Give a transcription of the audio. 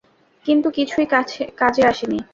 কিন্তু কিছুই কাজে আসেনি।